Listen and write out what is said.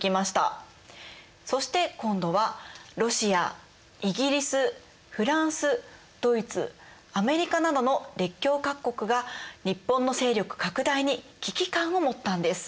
そして今度はロシアイギリスフランスドイツアメリカなどの列強各国が日本の勢力拡大に危機感を持ったんです。